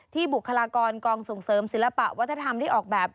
บุคลากรกองส่งเสริมศิลปะวัฒนธรรมได้ออกแบบ